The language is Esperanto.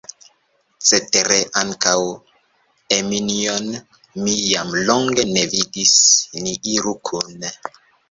Cetere ankaŭ Eminjon mi jam longe ne vidis, ni iru kune.